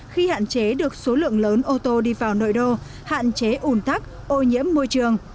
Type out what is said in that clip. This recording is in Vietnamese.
khi hạn chế được số lượng lớn ô tô đi vào nội đô hạn chế ủn tắc ô nhiễm môi trường